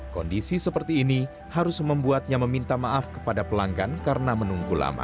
kondisi seperti ini harus membuatnya meminta maaf kepada pelanggan karena menunggu lama